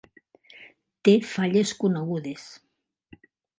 Té falles conegudes.